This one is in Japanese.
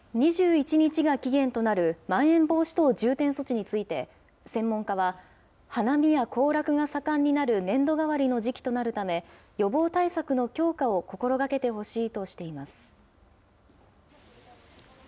２１日が期限となるまん延防止等重点措置について、専門家は、花見や行楽が盛んになる年度替わりの時期となるため、予防対策の強化を心がけてほしいとしています。